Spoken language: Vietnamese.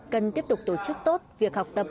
cần tiếp tục tổ chức tốt việc học tập